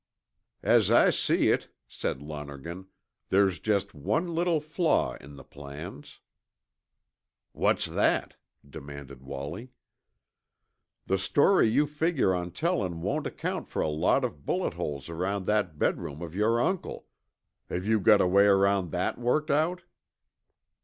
"As I see it," said Lonergan, "there's just one little flaw in the plans." "What's that?" demanded Wallie. "The story you figure on telling won't account for a lot of bullet holes around that bedroom of your uncle. Have you got a way around that worked out?"